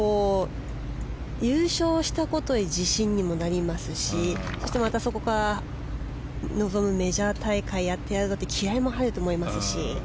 優勝したことで自信にもなりますしまたそこから臨むメジャー大会やってやるぞという気合も入ると思いますし。